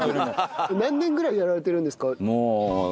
何年ぐらいやられてるんですか？